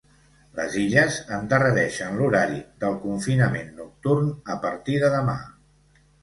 Les Illes endarrereixen l’horari del confinament nocturn a partir de demà.